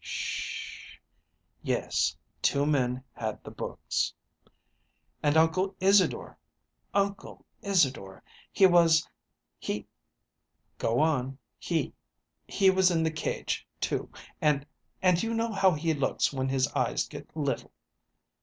'"Sh h h! Yes two men had the books." "And Uncle Isadore Uncle Isadore he was he " "Go on!" "He he was in the cage, too; and and you know how he looks when his eyes get little."